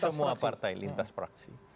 untuk semua partai lintas praksi